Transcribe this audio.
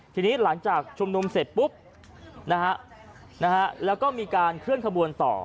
ทีนี้หลังจากชุมนุมเสร็จปุ๊บนะฮะแล้วก็มีการเคลื่อนขบวนต่อ